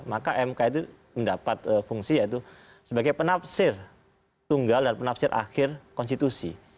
maka mk itu mendapat fungsi yaitu sebagai penafsir tunggal dan penafsir akhir konstitusi